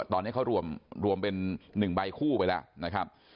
ตอนนี้เขารวมเป็น๑ใบคู่ไปแล้วนะครับ